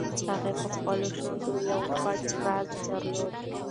هغې په خپلو شونډو یو پټ راز درلود.